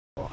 ở cái làng